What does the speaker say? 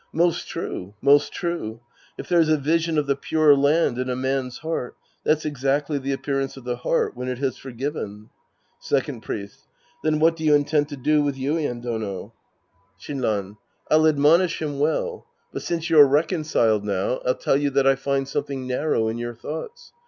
Most true. Most true. If there's a vision of the Pure Land in a man's heart, that's exactly the appearance of the heart when it has forgiven. Second Priest. Then what do you intend to do with Yuien Dono ? 204 The Priest and His Disciples Act V Shinran. I'll admonish him well. But since you're reconciled now, I'll tell you that I find something narrow in your thoughts.